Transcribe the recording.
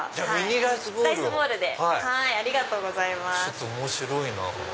ちょっと面白いなぁ。